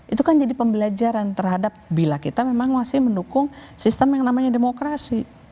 itu kan jadi pembelajaran terhadap bila kita memang masih mendukung sistem yang namanya demokrasi